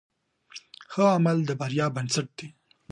ښه عمل د بریا بنسټ دی.